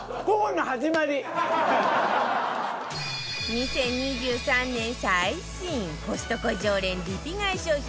２０２３年最新コストコ常連リピ買い商品